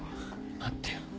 待ってよ